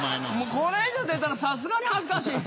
これ以上出たらさすがに恥ずかしい。